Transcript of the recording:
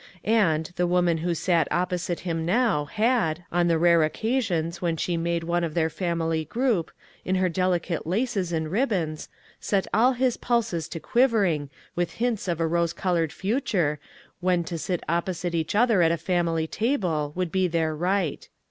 And the woman who sat opposite him now, had, on the rare occasions whien she made one of their family group, in her delicate laces and ribbons, set all his pulses to quivering with hints of a rose colored future, when to sit opposite each other at a family table would be their right.